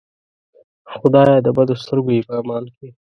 خدایه د بدو سترګو یې په امان کې.